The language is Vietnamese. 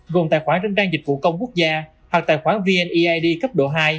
gồm tài khoản trên trang dịch vụ công quốc gia hoặc tài khoản vneid cấp độ hai